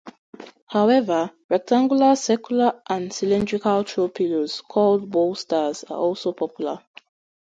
However, rectangular, circular and cylindrical throw pillows, called bolsters, are also popular.